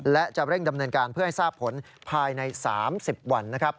และจะเร่งดำเนินการเพื่อให้ทราบผลภายใน๓๐วันนะครับ